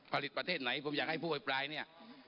ผลิตประเทศไหนผมอยากให้ผู้ไว้ปลายเนี่ย